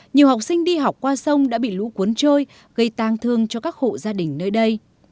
nhiều học sinh đi học qua sông đã bị lũ cuốn trôi gây tang thương cho các hộ gia đình nơi đây